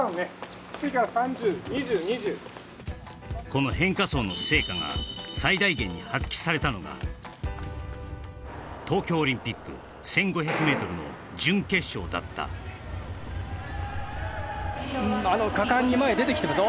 この変化走の成果が最大限に発揮されたのが東京オリンピック１５００ｍの準決勝だった果敢に前出てきてます